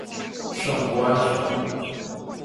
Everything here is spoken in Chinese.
圣胡安省。